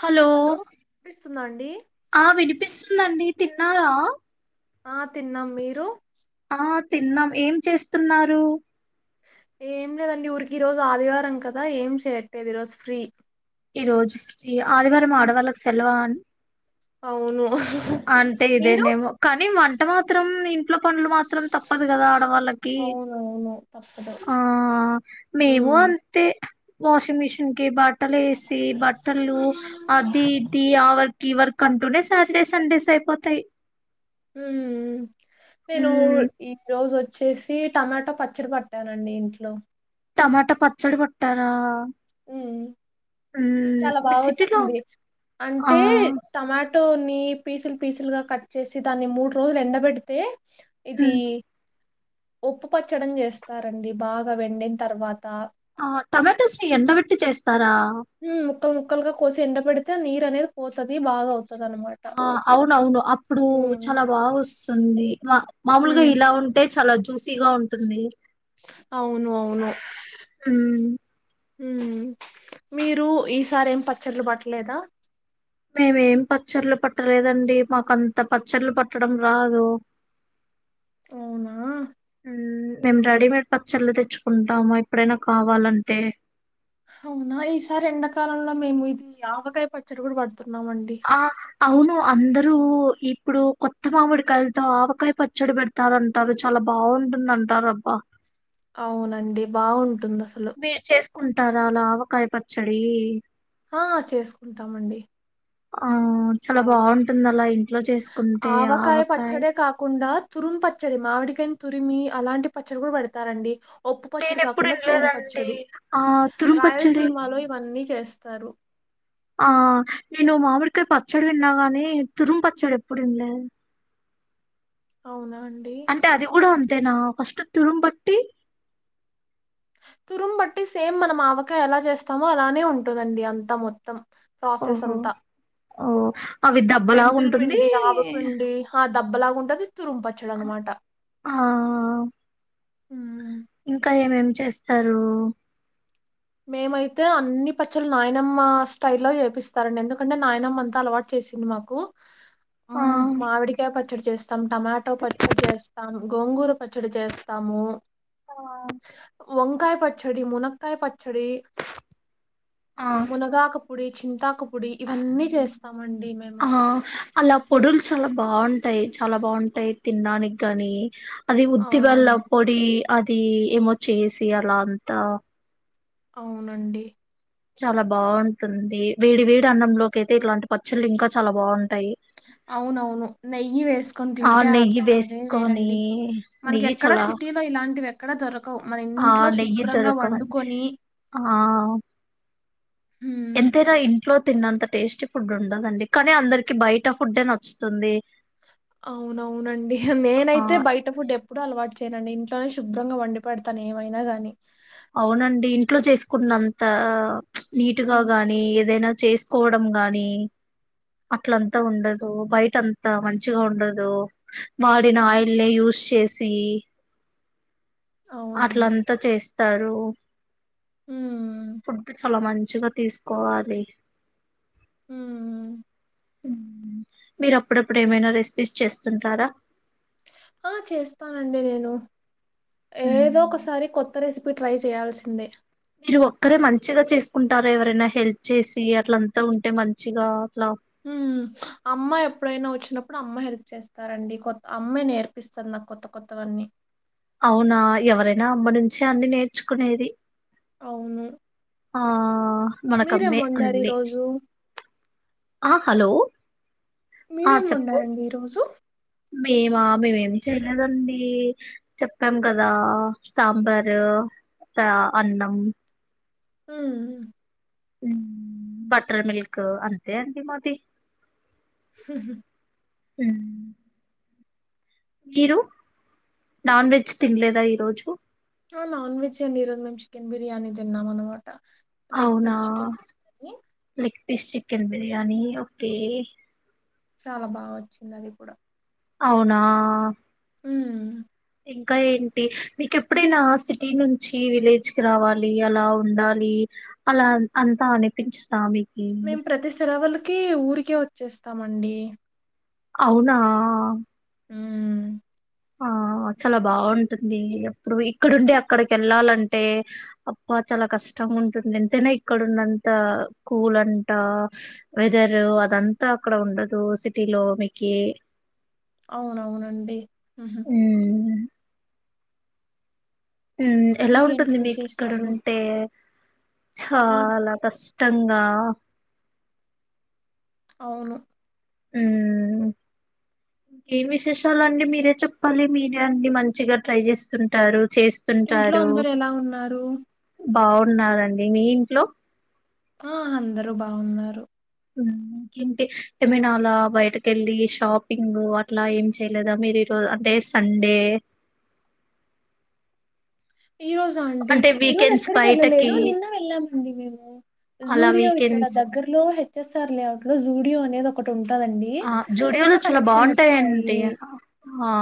Hello వినిపిస్తుందా అండి ఆ విడిపిస్తుందండి తిన్నారా ఆ తిన్నాం మీరు ఆ తిన్నాం ఏం చేస్తున్నారు ఏం లేదండి ఊరికే ఈరోజు ఆదివారం కదా ఏం చేయట్లేదు ఈరోజు ఫ్రీ ఈ రోజు ఈ ఆదివారం ఆడవాళ్ళలకు సెలవాని అవును అంటే మీరు ఇదేనేేమో కానీ వంట మాత్రం ఇంట్లో పన్లు మాత్రం తప్పద్ కదా వాళ్ళకి అవునవును తప్పదు ఆ మేము ఉమ్ అంతే వాషింగ్ మిషీన్ కే బాట్ బట్టలు వేసి బట్టలు అది ఇది ఆవ ఈ వర్క్ అంటేనే సా టె స్ సండేస్ అయిపోతాయి ఉమ్ నేను మ్మ్, ఈ రోజు వచ్ వచ్చేసి టమాటో పచ్చడి పట్టానండి ఇంట్లో టమాటో పచ్చడి పట్టార ఉమ్ చాలా మీ బాగా సిటీలో వచ్చింది ఆ అంటే టమాటో నీ పీసులు పీసులుగా కట్ చేసి దాన్ని మూడు రోజులు ఎండబెడితే ఇది ఉప్పు పచ్చడం చేస్తారండి బాగా వెండిన తర్వాత ఆ టొమాటోస్ ని ఎన్నబె ట్టి చేస్ తా రా హ్మ్. ముక్కలు ముక్కలుగా కోసి ఎండ పెడితే నీరు అనేది పోతది బాగా అవ్ ఆ అవునవును అప్పుడు హ్మ్. చాలా బాగా వస్తుంది. మామూలుగా హ్మ్. ఇలా ఉంటే చాలా జ్యూసీగా ఉంటుంది. అవును అవును. ఊ ఊ మీరు ఈసారి ఏం పచ్చళ్లు పట్లేదా మేమేం పచ్చడ్లు పట్టలేదండి మాకు అంత పచ్చడ్లు పట్టడం రాదు అవునా ఊ మేము రెడీమేడ్ పచ్చళ్ళ తెచ్చుకుంటాము ఎప్పుడైనా కావాలంటే అవునా ఈసారి ఎండాకాలంలో మేము ఇది ఆవకాయ పచ్చడి కూడా పడుత ఆ అవును అందర్ రు ఇప్పుడు కొత్త మామిడి కాయలతో ఆవకాయ పచ్చడి పెడతారంటారు చాలా బాగుంటుంధంటారు అబ్బా అవునండి బాగుంటుంది. మీర్ చేసు కుంటారాలా ఆవకాయ పచ్చడీ ఆ చేసుకుంటామండి. ఆ చాలా ఆవకాయ బాగుంటుంద పచ్చడి. అలా ఇంట్లో చేసుకుంటే ఆవకాయ్ తురుమ్ పచ్చడి మామిడికాయని తురిమి అలాంటి పచ్చడి కూడా పెడుతారండి. ఒప్పు పచ్చడి నేనెప్పుడు కాకుండా తురుం ఇనలేదండి పచ్చడి ఆ తురుం పచ్చడి రాయలసీమలో ఇవన్నీ చేస్త తారు ఆ నేను మామిడికాయ పచ్చడి విన్నా కానీ తురుమ్ పచ్చడి ఎప్పుడు విన్లే అవునా అండి అంటే అది గూడ అంతేనా ఫస్ట్ తురుమ్ పట్టి తురం బట్టి సేమ్ మనం ఆవకాయ ఎలా చేస్తామో అలానే ఉంటదండి అంతా మొత్తం ప్రాసెస్ ఓహో అంతా ఓ అవి దబ్బలాగుంటుంది. దబ్బలాగుంటది. తురుమ్ పచ్చడనమాట ఆ ఇంకా ఏమేమి చేస్తారు మేమైతే అన్ని పచ్చళ్లు నాయనమ్మ స్టైల్లో చేపిస్తారండి ఎందుకంటే నాయనమ్మ అంతా అలవాటు చేసింది మాకు ఆ మ్మ్ మావిడికయ పచ్ పచ్చడి చేస్తాం టమాటో పచ్చడి చేస్తాం గోంగూర పచ్చడి చేస్తాము. ఆ వంకాయ పచ్చడి మునక్కాయ పచ్ చ్చడి. ఆ మునగాకు పొడి చింతాకు పొడి ఇవన్నీ చేస్తామండి మేము ఆ అలా పొడులు చాలా బాగుంటాయి చాలా బాగుంటాయి తిండానికి గాని అది ఆ ఉద్దది వెెల్ల అండి పొడి అది ఏమో చేసి అలా అంతా అవునండి చాలా బాగుంటుంది వీడి వేడి అన్నంలోకి అయితే ఇట్లాంటి పచ్చళ్లు ఇంకా చాలా బాగుంటాయి అవునవును నెయ్యి వేసుకొని ఆ తింటే అ నెయ్యి అదే వేసుకొని వేరండి మనకి నెయ్యి ఎక్కడా చాలా సిటీలో ఇలాంటి వ్యక్ ఇక్కడ దర ఆ నెయ్యితోరుకండి ఆ హ్మ్. ఎంతేనా ఇ లో తిన్నంత టేస్టీ ఫుడ్ ఉండదండి కానీ అందరికకి బయట ఫుడ్ నచ్చుతుంది అవునవునండి ఆ నేనైతే బయట ఫుడ్ ఎ ఇప్పుడు అలవాటు చేయండి ఇంట్లోనే శుభ్రంగా వండి పెడతాను ఏమైనా కానీ కున్నంత నీట్ గా హ్మ్. గాని ఏదైనా చేసుకోవడం గాని అట్లంతా ఉండదు బయట అంతా మంచిగా ఉండదు వాడిన అవును. ఆయిల్ న యూస్ చేసి సి అవునండి. అట్లంతా చేస్త తరు హ్మ్. ఫుడ్ చల మన్ మంచిగా తీసుకోవాలి హ మీరు అప్పుడప్పుడు ఏమైనా రెసిపీస్ చేస్తుంటారా ఆ చేస్తానండి నేను ఏదో మ్మ్. ఒకసారి కొత్త రేసిపి ట్రై చేయాల్సిందే మీరు ఒక్కరే మంచిగా చేసుకుంటారా ఎవరైనా హెల్ప్ చేసి అట్ల అంత ఉంటే మంచిగా అట్లా ఉ అమ్మా ఎప్పుడయినా వచ్చిన అప్పుడు అమ్మాయి హెల్ప్ చేస్తారండి కొత్త అమ్మాయి నేర్పిస్తుంది నా కొత్త కొత్తవన్నీ అవునా ఎవరైనా అమ్మ నుంచి అన్ని నేర్చుకునేది అవును ఆ మీరేం మనకమ్మే వండారు అన్ని ఈరోజు? ఆ హలో ఆ! మీరేం చెప్పు. వండారండి ఈరోజు మేమా? మేమేమి చేయలేదండి చెప్పాం కదా సాంబారు అన్నం ఆ బట్టర్ మీల్క్ అంతే అడి మాది స ఉ మీరు నాన్ వెజ్ తినలేదా ఈరోజు. ఆ నాన్ వెజ్ అండి. ఈరోజు మేము చికెన్ బిర్యానీ తిన్నామనమాట. లెగ్ అవునా piece chicken biryani. Leg fish chicken biryani ఒకే చాలా బా వచ్చిందది కూడా అవునా ఉమ్ ఇంకా ఏంటి మీకెప్పుడైనా సిటీ నుంచి విలేజ్ కి రావాలి, అలా ఉండాలి, అలా అంతా అనిపించదా మీకి. మేం ప్రతి సెలవలక్ కీ ఊరికే వచ్చేస్తామండి అవునా హ ఆ చాలా బాగుంటుంది, ఎప్పుడు ఇక్కడుండి అక్కడికి వెళ్ళాలంటే అప్ప చాలా కష్టంగా ఉంటుంది. ఎంతైనా ఇక్కడున్నంత కూల్ అంట వెదరు అదంతా అక్కడ ఉండదు. సిటీలో మీకి అవునవునండి ఉహు హ్మ్. ఎలా ఇంకేంటి ఉంటుంది విశేషాలు? మీకిక్కడనుంటే చ ఆ! తందా అవును ఇంకేం విశేషాలండి, మీరే చెప్పాలి మీరే అన్ని మంచిగా ట్రై చేస్తుంటారు. ఇంట్లో చేస్తుంటారు. అందరెలా ఉన్నారు బావున్నారండి. మీ ఇంట్లో ఆ అందరూ బాగున్నారు. ఇంకేంటి ఏమైనా అలా బయటకెళ్ళి షాపింగ్ అట్లా ఏం చేయలేదా మీరు ఈరో అంటే సండే ఈ రోజా అండి అంటే వీకెండ్స్ బయటకి ఈరోజెక్కడికెళ్ళలేదు, నిన్న వెళ్ళామండి మేము. అలా జూడియో ఇక్కడ వీకెండ్స్ దగ్గరలో హెచ్ ఎస్ ఆర్ లేఅవుట్ లో జూడియో అనేది ఒ కుటుం ఆ జూడియోలు చాల బాగుంటాయండి. ఆ ఆ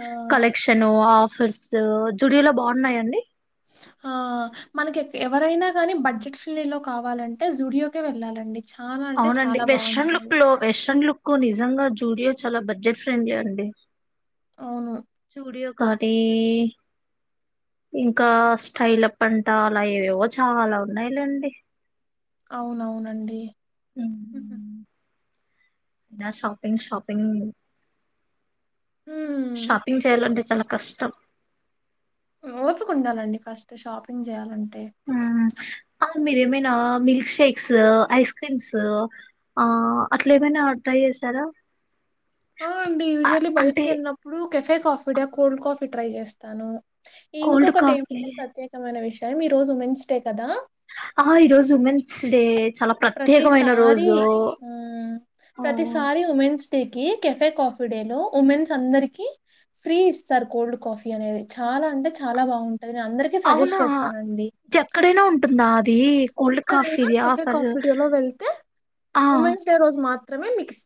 ఆహ్, కలెక్షను ఆ ఫర్సు జుడియోలో బాగున్నాయండి. ఆ మనక్ ఎక్ ఎవరైనా గానీ బడ్జెట్ ఫిల్నీ లో కావాలంటే జూడియోకె వెళ్ళాలండి. చాలా అంటే అవునండి చాలా వెష్రన్ బావున్నాయి. లుక్ లో వెష్రన్ లుక్ నిజంగా జూడియో చాలా బడ్జెట్ ఫ్రెండ్లీ అండి అవును జూడియో కానీ ఇంకా స్టైలప్ అంట అలా ఏవేవో చాలా ఉన్నాయిలేండి. అవునవునండి ఉహు నా షాపింగ్ షాపింగ్ హ్మ్. షాపింగ్ చేయాలంటే చాల కష్టం ఓపికుండాలండి ఫస్ట్ షాపింగ్ చేయాలం టే ఆ మీరెమైనా మిల్క్ షేక్స్ ఐస్ క్రీమ్స్ ఆ అట్లా ఏమైనా ట్రై చేసారా ఆ అండి యూజువల్లీ అంటే బయటికెళ్ళినప్పుడు cafe coffee day cold coffee try చేస్తాను కోల్డ్ ఇంకొకటి కాఫీ ఏమంటే ప్రత్యేకమైన విషయం యమ్ ఈ రోజు ఉమెన్స్ డే కదా ఆ ఈరోజు ఉమెన్స్ డే చాలా ప్రత్యేకమైన ప్రతిసారి రోజు ఆ ఆ ప్రతిసారి women's day cafe coffee day లో ఉమెన్స్ అందరికి ఫ్రీ ఇస్తారు కోల్డ్ కాఫీ అనేది చాలా అంటే చాలా బాగున్ అవునా ఎక్కడైనా ఉంటుందా అద్ దీ ఎక్కడైనా కెఫే కాఫి డే లో వెళ్తే ఆ ఉమెన్స్ డే రోజు మాత్ త్రమే మికిస్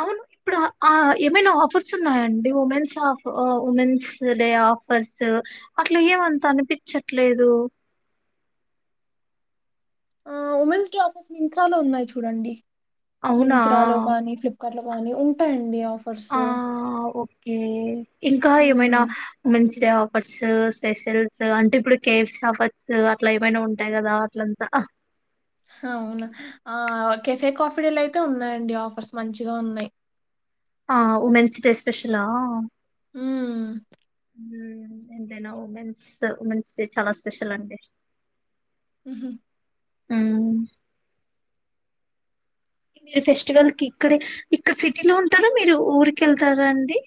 అవును ఇప్పుడు ఆ ఆ ఏమైనా ఆఫర్ ర్సున్నాయండి ఉమెన్స్ అఫ్ ఆ ఉమెన్స్ డే ఆఫర్స్ అట్లా ఏమంత అనిపించట్లేదు ఆ ఉమెన్స్ డే ఆఫర్స్ మింత్ర లో ఉన్నాయి చూడండి అవునా మింత్రాలో గానీ ఫ్లిప్కర్ట్ లో గాని ఉంటాయండి ఆఫ్ ఆ ఓకే ఇంకా ఏమైనా ఉమ్ మంచి డే ఆఫర్స్ స్పెషల్స్ అంటే ఇప్పుడు కేఫ్స్ ఆఫర్స్ అట్లా ఏమైనా ఉంటాయి కదా అట్లంతా అవునా ఆ కెఫే కాఫిడేలయితే ఉన్నాయండి ఆఫర్స్ మంచిగా ఉన్నాయి ఆ ఉమెన్స్ డే స్పెషలా మ్మ్ మ్మ్ ఎంతైనా ఉమెన్స్ ఉమెన్స్ డే చాలా స్పెషల్ అండి మ్మ్ హ్మ్ మ్మ్ మీరు ఫెస్టివల్ కి ఇక్కడే ఇక్కడ సిటీలో ఉంటారా మీరు ఊరికెళ్తారా అండి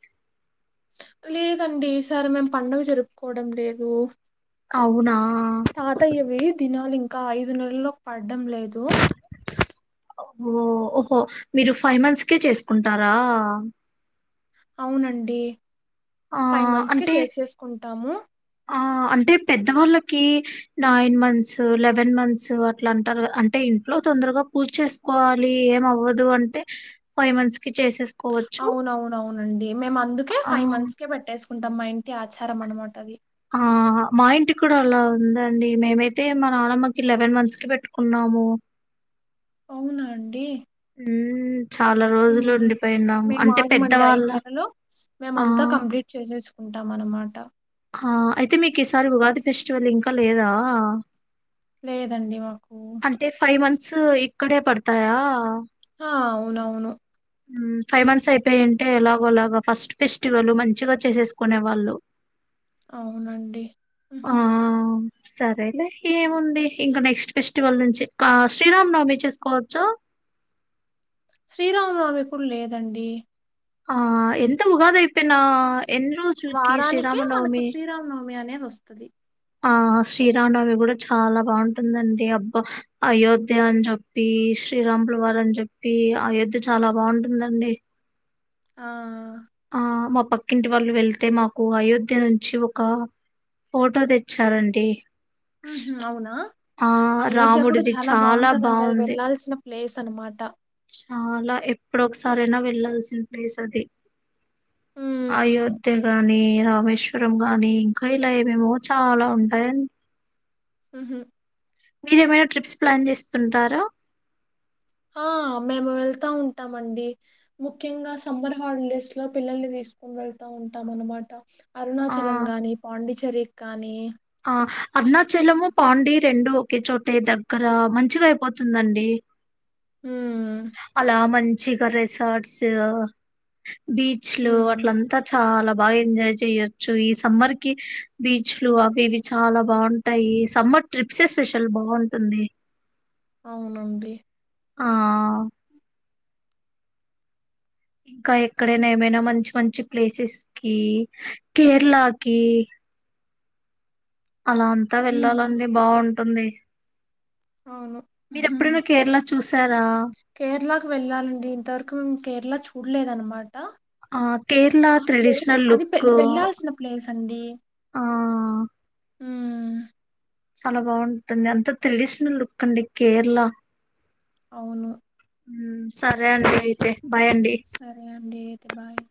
లేదండి ఈసారి మేము పండగ జరుపుకోవడం లేదు అవునా ఇకా ఐదు నెలల్లోకి పడ్డం లేదు హో ఓహో మీరు ఫైవ్ మంత్స్కే చేసుకుంటారా అవునండి ఆ ఫైవ్ మంత్స్ కి అంటే చేసేసుకుంటాము ఆ అంటే పెద్దవాళ్ళ కి నైన్ మంత్స్ లెవెన్ మంత్స్ అట్లా అంటారు అంటే ఇంట్లో తొందరగా పూజ చేసుకోవాలి ఏమవ్వదు అంటే ఫైవ్ మంత్స్ కి చేసే అవునవునవు రండి మేము అందుకే ఆ! ఫైవ్ మంత్స్ కే పెట్టేసు కొంత మా ఇంటి ఆచారం అనమాట అది హ్మ్ హ్మ్ ఆ మా ఇంటి కూడా అలా ఉందండి మేమైతే మా నానమ్మకి లెవెన్ మంత్స్ కి పెట్టుకున్నాము అవునా అండి ఉమ్ మేము ఆగమండి పెద్దవాళ్ళ ఐదు నెలలు మేమ ఆ! అంతా కంప్లీట్ చేసేసుకు ఉంటాం అన్నమాట ఆ అయితే మీకు ఈసారి ఉగాది ఫెస్టివల్ ఇంకా లేదా లేదండి మాకు స్ ఇక్కడే పడతాయా ఆ అవునవును ఫైవ్ మంత్స్ అయిపోయింటే ఎలాగోలాగా ఫస్ట్ ఫెస్టివల్ మంచిగా చేసేసుకునే వాళ్ళు అవునండి ఆ! సరేలే ఏముంది ఇంకా నెక్స్ట్ ఫెస్టివల్ నుంచి శ్రీరామ్ నవమి చేసుకోవచ్చు శ్రీరామనామి కూడా లేదండి ఆ ఎంత ఉగాద అయిపోయిన ఎన్ని రోజుకి శ్రీరామనవమి వస్తుది ఆ శ్రీరామవి కూడా చాలా బాగుంటుందండి అబ్బ అయోధ్య అని చెప్పి శ్రీరాంపుల వారు అని చెప్పి అయోధ్య చాలా బాగుంటుందండి ఆ ఆ మా పక్కింటి వాళ్ళు వెళ్తే మాకు అయోధ్య నుంచి ఒక ఫోటో తెచ్చారండి ఉ అవునా ఆ అయోధ్య కూడా రాముడిది చాలా బాగుంటందండి అది బాగుంది వెళ్ళాల్సిన ప్లేస్ అనమాట చాలా ఎప్పుడొ ఒకసారైనా వెళ్లాల్సిన ప్లేస్ అది హ్మ్. అయోధ్య కాగాని రామేశ్వరం గాని ఇంకా ఇలా ఏవేమో చాలా ఉంటాయడి సహ మీరేమైనా ట్రిప్స్ ప్లాన్ చేస్తుంటారా ఆ మేము వెళ్తా ఉంటామండి ముఖ్యంగా సమ్మర్ హాలిడేస్ లో పిల్లల్ని తీసుకుని వెళ్తా ఉంటాం అనమాట ఆ అరుణాచలంగానీ పాండిచేరి కానీ ఆ అరుణాచలము పాండి రెండు ఒకే చోటే దగ్గర మంచిగా అయిపోతుందండి హ్మ్ అలా మంచి చ్చ క సర్ట్స్ బీచ్లు హ్మ్ అట్లంతా చాలా బాగా ఎంజాయ్ చేయొచ్చు ఈ సమ్మర్ కి బీచ్లు ఇవి చాలా బాగుంటాయి సమ్మర్ ట్రిప్సే స్పెషల్ బాగుంటుంది అవున అంది ఆ ఇంకా ఎక్కడైనా ఏమైనా మంచి మంచి ప్లేసెస్ కి కేరళకి అలా అంతా హ్మ్ వెళ్లాలండి బాగుంట తుంది. అవును. ఉహుహు. మీరెప్పుడన కేరళ చూస్ సారా కేరళకు వెళ్ళాలండి ఇంతవరకు కేరళ చూలేద్ అనమాట ఆ కేరళ ట్రెడిషనల్ వె లుక్కు, వెళ్ళాల్సిన ప్లేస్ అండి. ఆ హ్మ్ చాలా బావుంటుంది అంత త్రెడిషనల్ లుక్కండి కేర్ళ అవును ఉ సరే అండి అయితే బాయ్ అండి సరే అండి. తె బాయ్